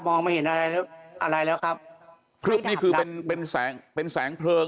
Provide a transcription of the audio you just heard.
ไม่เห็นอะไรแล้วอะไรแล้วครับพลึบนี่คือเป็นเป็นแสงเป็นแสงเพลิง